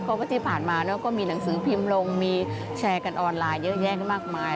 เพราะว่าที่ผ่านมาเราก็มีหนังสือพิมพ์ลงมีแชร์กันออนไลน์เยอะแยะมากมาย